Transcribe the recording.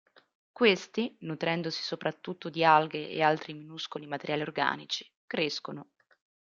Questi, nutrendosi soprattutto di alghe e altri minuscoli materiali organici, crescono.